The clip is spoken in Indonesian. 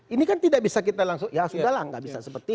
ini kan tidak bisa kita langsung ya sudah lah nggak bisa seperti itu